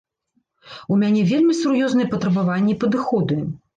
У мяне вельмі сур'ёзныя патрабаванні і падыходы.